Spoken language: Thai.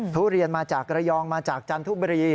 ทุเรียนมาจากระยองมาจากจันทบุรี